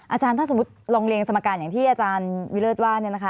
อาจารย์ถ้าสมมุติลองเรียงสมการอย่างที่อาจารย์วิเศษว่า